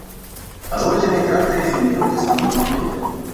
Позвольте мне кратко резюмировать основные элементы.